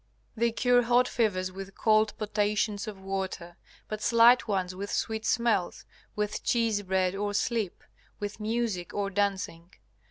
They cure hot fevers with cold potations of water, but slight ones with sweet smells, with cheese bread or sleep, with music or dancing.